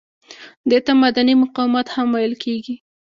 دې ته مدني مقاومت هم ویل کیږي.